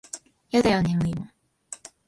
やだよ眠いもん。